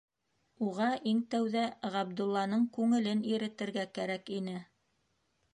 - Уға иң тәүҙә Ғабдулланың күңелен иретергә кәрәк ине.